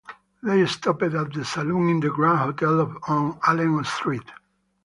They stopped at the saloon in the Grand Hotel on Allen Street.